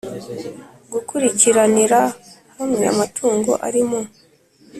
gukurikiranira hamwe amatungo ari mu